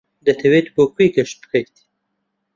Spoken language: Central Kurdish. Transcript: دەتەوێت بۆ کوێ گەشت بکەیت؟